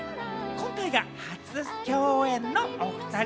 今回が初共演のおふたり。